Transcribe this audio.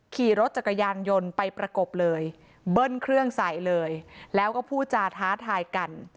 ขี่รถจักรยานยนต์ไปประกบเลยเบิ้ลเครื่องใส่เลยแล้วก็พูดจาท้าทายกัน